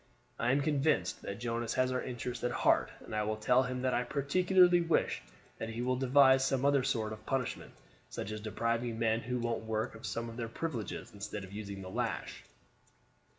I am convinced that Jonas has our interests at heart, and I will tell him that I particularly wish that he will devise some other sort of punishment, such as depriving men who won't work of some of their privileges instead of using the lash."